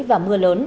và mưa lớn